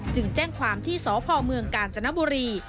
แจ้งความที่สพเมืองกาญจนบุรี